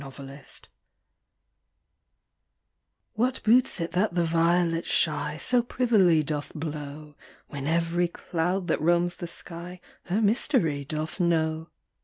113 'I Ti THAT boots it that the violet shy So privily doth blow, When every cloud that roams the sky Her mystery doth know